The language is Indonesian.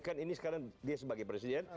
kan ini sekarang dia sebagai presiden